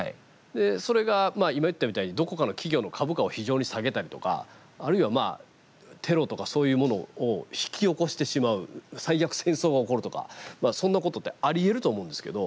それが、まあ今、言ったみたいにどこかの企業の株価を非常に下げたりとかあるいはテロとかそういうものを引き起こしてしまう最悪、戦争が起こるとかそんなことってありえると思うんですけど。